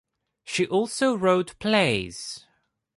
She also wrote plays.